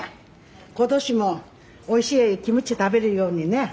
今年もおいしいキムチ食べるようにね。